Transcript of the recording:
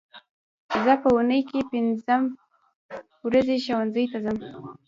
زه په اونۍ کې پینځه ورځې ښوونځي ته ځم